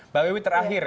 mbak bewi terakhir